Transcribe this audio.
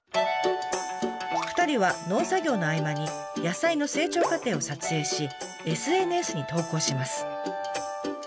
２人は農作業の合間に野菜の成長過程を撮影しＳＮＳに投稿します。